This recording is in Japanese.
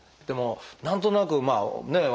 でも何となくまあね